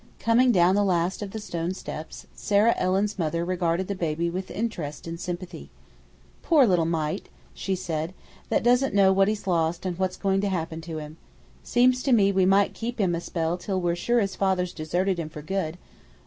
Coming down the last of the stone steps, Sarah Ellen's mother regarded the baby with interest and sympathy. "Poor little mite!" she said; "that doesn't know what he's lost and what's going to happen to him. Seems to me we might keep him a spell till we're sure his father's deserted him for good.